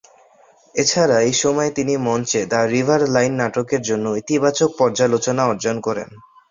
এছাড়া এই সময়ে তিনি মঞ্চে "দ্য রিভার লাইন" নাটকের জন্য ইতিবাচক পর্যালোচনা অর্জন করেন।